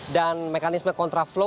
dan mekanisme kontra flow